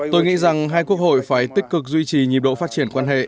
tôi nghĩ rằng hai quốc hội phải tích cực duy trì nhiệm độ phát triển quan hệ